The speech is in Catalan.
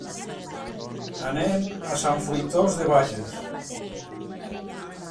Anem a Sant Fruitós de Bages.